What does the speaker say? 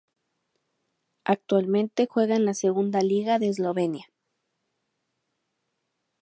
Actualmente juega en la Segunda Liga de Eslovenia.